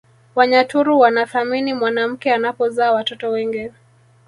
Wanyaturu wanathamini mwanamke anapozaa watoto wengi